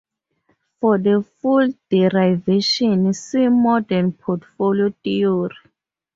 For the full derivation see Modern portfolio theory.